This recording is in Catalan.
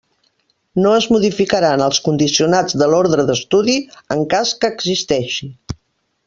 No es modificaran els condicionats de l'ordre d'estudi, en cas que existeixi.